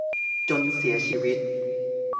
จนเสียชีวิต